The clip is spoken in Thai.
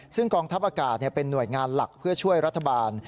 ซึ่งกองทัพอากาศเป็นหน่วยงานหลักเพื่อช่วยรัฐบาล